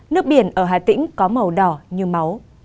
nước biển ở hà tĩnh có màu đỏ như máu